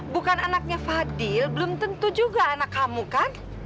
bukan anaknya fadil belum tentu juga anak kamu kan